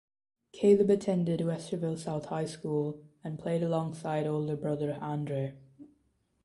Kaleb attended Westerville South High School and played alongside older brother Andre.